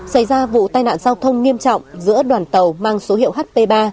xảy ra vụ tai nạn giao thông nghiêm trọng giữa đoàn tàu mang số hiệu hp ba